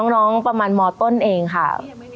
น้องประมาณมต้นเองค่ะ